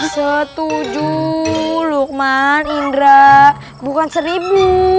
setuju lukman indra bukan seribu